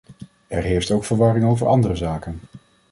Er heerst ook verwarring over andere zaken.